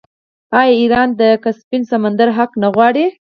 آیا ایران د کسپین سمندر حق نه غواړي؟